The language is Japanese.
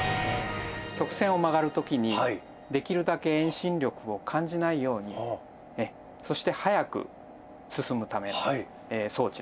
曲線を曲がる時にできるだけ遠心力を感じないようにそして速く進むための装置です。